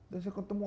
dan saya ketemu